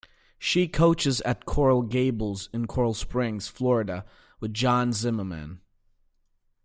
She coaches at Coral Gables in Coral Springs, Florida with John Zimmerman.